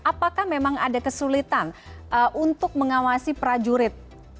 apakah memang ada kesulitan untuk mengawasi prajurit